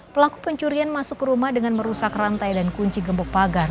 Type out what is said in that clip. pelaku pencurian masuk ke rumah dengan merusak rantai dan kunci gembok pagar